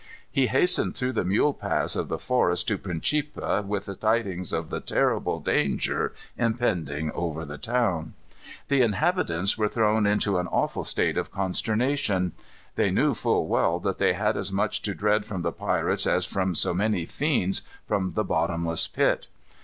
He hastened through the mule paths of the forest to Principe, with the tidings of the terrible danger impending over the town. The inhabitants were thrown into an awful state of consternation. They knew full well that they had as much to dread from the pirates as from so many fiends from the bottomless pit.